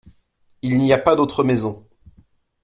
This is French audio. Il n’y a pas d’autre maison.